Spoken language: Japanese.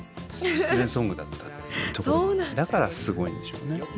だからすごいんでしょうね。